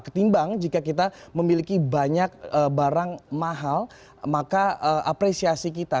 ketimbang jika kita memiliki banyak barang mahal maka apresiasi kita